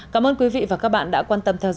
cảm ơn quý vị và các bạn đã quan tâm theo dõi